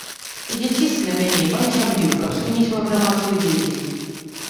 Ідзе ціск на мяне і маю сям'ю, каб спыніць маю грамадскую дзейнасць.